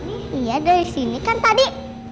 iya dari sini kan tadi